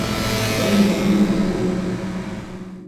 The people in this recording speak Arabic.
غَيْرُهُ يَقُولُ